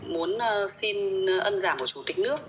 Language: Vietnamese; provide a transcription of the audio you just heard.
muốn xin ân giảm của chủ tịch nước